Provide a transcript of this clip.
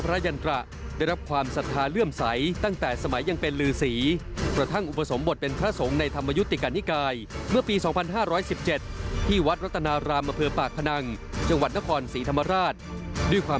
ราวของอดีตพระยันตรากันหน่อยค่ะ